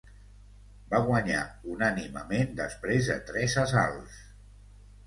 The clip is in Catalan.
Va guanyar unànimement després de tres assalts.